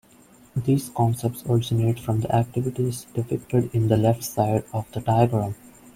These concepts originate from the activities depicted in the left side of the diagram.